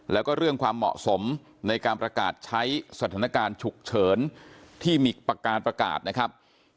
แล้วก็เรื่องความเหมาะสมในการประกาศใช้สถานการณ์ฉุกเฉินที่มีประการประกาศนะครับ